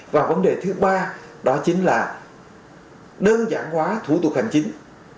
và vấn đề thứ ba đó chính là đơn giản hóa thủ tục hành chính